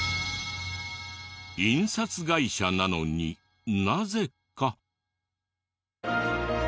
印刷会社なのになぜか。